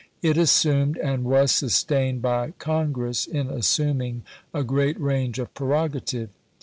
It assumed, and was sustained by Congress in assuming, a great range of prerogative.